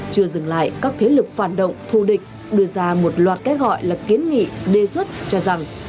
chưa dừng lại các thế lực phản động thù địch đưa ra một loạt cái gọi là kiến nghị đề xuất cho rằng